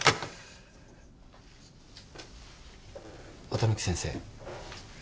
綿貫先生。